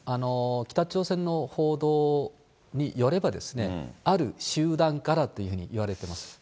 北朝鮮の報道によれば、ある集団からというふうにいわれてます。